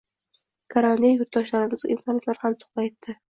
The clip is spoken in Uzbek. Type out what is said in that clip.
Karantin yurtdoshlarimizga imkoniyatlar ham tuhfa etdi